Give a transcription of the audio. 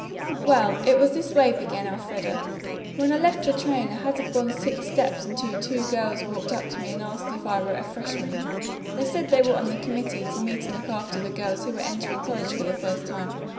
"Well, it was this way," began Elfreda. "When I left the train I hadn't gone six steps until two girls walked up to me and asked if I were a freshman. They said they were on the committee to meet and look after the girls who were entering college for the first time.